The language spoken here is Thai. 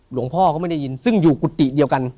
หลวงพ่อก็ไม่ได้ยินซึ่งอยู่กุฏิเดียวกัน